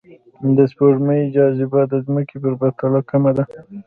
د سپوږمۍ جاذبه د ځمکې په پرتله کمه ده